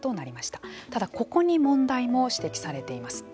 ただ、ここに問題も指摘されています。